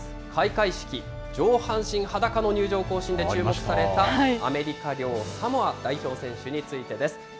開会式、上半身裸の入場行進で注目されたアメリカ領サモア代表選手についてです。